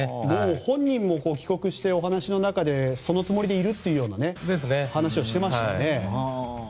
本人も帰国してお話の中でそのつもりでいるという話をしていましたよね。